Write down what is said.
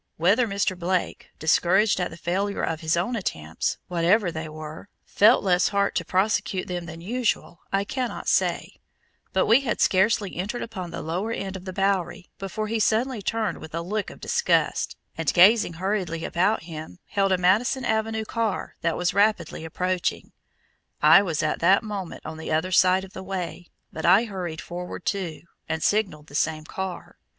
Whether Mr. Blake, discouraged at the failure of his own attempts, whatever they were, felt less heart to prosecute them than usual I cannot say, but we had scarcely entered upon the lower end of the Bowery, before he suddenly turned with a look of disgust, and gazing hurriedly about him, hailed a Madison Avenue car that was rapidly approaching. I was at that moment on the other side of the way, but I hurried forward too, and signaled the same car.